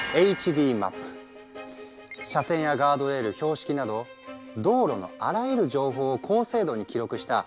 それが車線やガードレール標識など道路のあらゆる情報を高精度に記録した